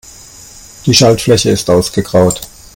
Die Schaltfläche ist ausgegraut.